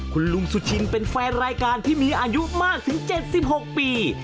คุณลุงสุชินเป็นแฟนรายการที่มีอายุมากถึง๗๖ปี